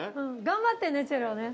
頑張ってねチェロね。